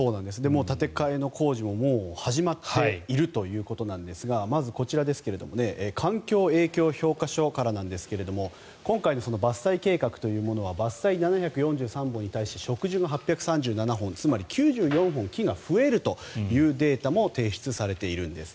もう建て替えの工事も始まっているということなんですがまず、こちらですが環境影響評価書からなんですが今回の伐採計画というものは伐採が７４３本に対して植樹が８３７本、つまり９４本木が増えるというデータも提出されているんです。